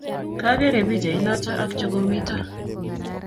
kagerei pichait notok ak chekomito